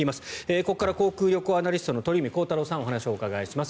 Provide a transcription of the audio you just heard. ここから航空・旅行アナリストの鳥海高太朗さんにお話をお伺いします。